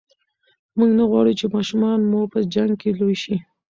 موږ نه غواړو چې ماشومان مو په جنګ کې لوي شي.